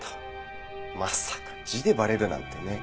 まさか字でバレるなんてね。